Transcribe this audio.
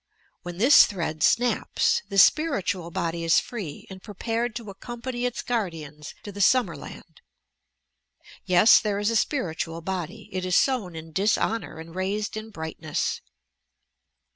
When this thread snaps, the spiritual body is free and prepared to accompany its guardians to the Sum merland. Yes, there is a spiritual body — it is sown in dishonour and raised in brightness."